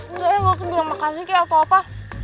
enggak ya gue harus bilang makasih kayak atau apa